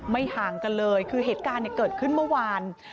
ห่างกันเลยคือเหตุการณ์เกิดขึ้นเมื่อวาน